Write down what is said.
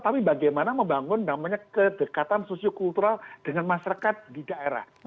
tapi bagaimana membangun namanya kedekatan sosiokultural dengan masyarakat di daerah